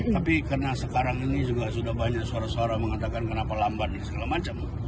tapi karena sekarang ini juga sudah banyak suara suara mengatakan kenapa lambat dan segala macam